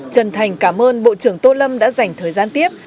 trần thành cảm ơn bộ trưởng tô lâm đã dành thời gian tiếp